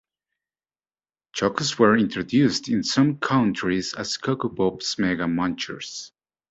Chocos were introduced in some countries as Coco Pops Mega Munchers.